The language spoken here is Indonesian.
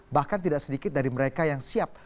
bahkan tidak sedikit dari mereka yang siap